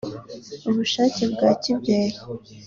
ububasha bwa kibyeyi